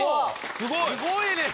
すごいね！